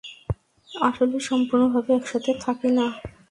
আসলে সম্পূর্ণভাবে একসাথে থাকি না।